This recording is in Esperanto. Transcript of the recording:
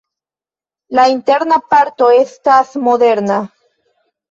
La interna parto estas moderna.